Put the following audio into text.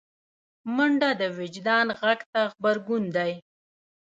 منډه د وجدان غږ ته غبرګون دی